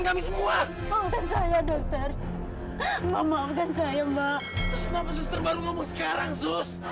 kami semua maafkan saya dokter maafkan saya mbak kenapa sus terbaru ngomong sekarang sus